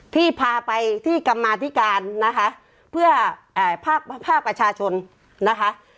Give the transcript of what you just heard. ที่พาไปที่กรรมาธิการนะคะเพื่อภาคภาคประชาชนนะคะ